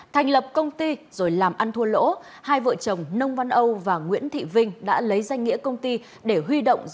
thành lập công ty rồi làm ăn thua lỗ hai vợ chồng nông văn âu và nguyễn thị vinh đã lấy danh nghĩa công ty để huy động